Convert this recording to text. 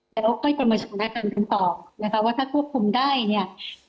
แล้วก็ประมาณส่วนมากกันต่อนะคะว่าถ้าควบคุมได้เนี่ย